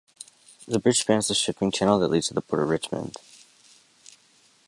The bridge spans the shipping channel that leads to the Port of Richmond.